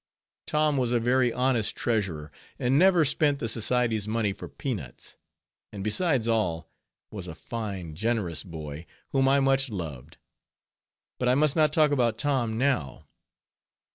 Tom was a very honest treasurer, and never spent the Society's money for peanuts; and besides all, was a fine, generous boy, whom I much loved. But I must not talk about Tom now.